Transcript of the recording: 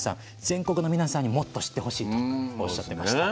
全国の皆さんにもっと知ってほしいとおっしゃってました。